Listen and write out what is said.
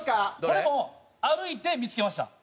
これも歩いて見付けました。